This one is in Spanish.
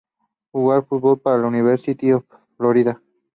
Jugó al fútbol para la University of Florida.